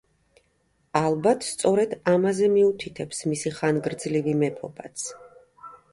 ალბათ სწორედ ამაზე მიუთითებს მისი ხანგრძლივი მეფობაც.